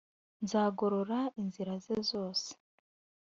nzagorora inzira ze zose